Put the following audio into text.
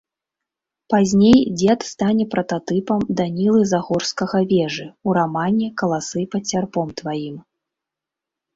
Пазней дзед стане прататыпам Данілы Загорскага-Вежы ў рамане «Каласы пад сярпом тваім».